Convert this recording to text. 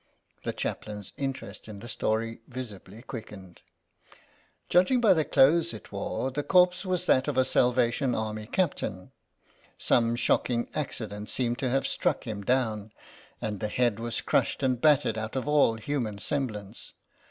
The Chaplain's interest in the story visibly quickened. "Judging by the clothes it wore, the corpse i6 THE LOST SANJAK was that of a Salvation Army captain. Some shocking accident seemed to have struck him down, and the head was crushed and battered out of all human semblance.